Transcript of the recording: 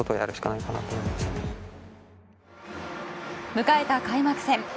迎えた開幕戦。